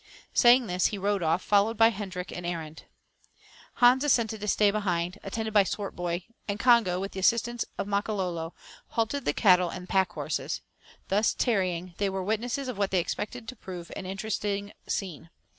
Saying this, he rode off, followed by Hendrik and Arend. Hans assented to stay behind, attended by Swartboy; and Congo, with the assistance of the Makololo, halted the cattle and pack horses; thus tarrying, they were witnesses of what they expected to prove an interesting scene.